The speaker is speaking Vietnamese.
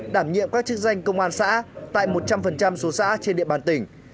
đảm nhiệm các chức danh công an xã tại một trăm linh số xã trên địa bàn tỉnh